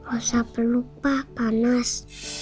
usah pelupa panas